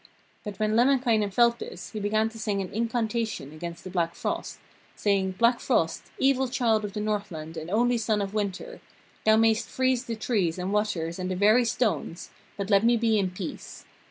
But when Lemminkainen felt this he began to sing an incantation against the Black frost, saying: 'Black frost, evil child of the Northland and only son of Winter, thou mayst freeze the trees and waters and the very stones, but let me be in peace.